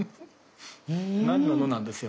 何なのなんですよ